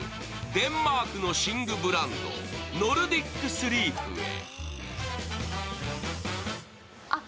デンマークの寝具ブランド、ノルディックスリープへ。